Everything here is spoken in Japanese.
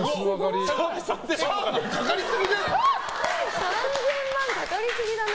澤部かかりすぎじゃない？